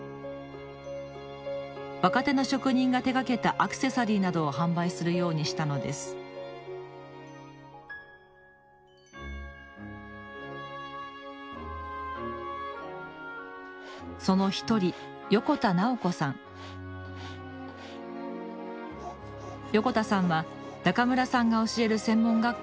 若手の職人が手がけたアクセサリーなどを販売するようにしたのですその一人横田さんは中村さんが教える専門学校で学び